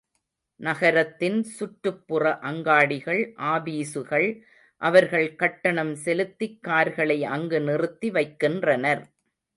நகரத்தின் சுற்றுப்புற அங்காடிகள், ஆபீசுகள் அவர்கள் கட்டணம் செலுத்திக் கார்களை அங்கு நிறுத்தி வைக்கின்றனர்.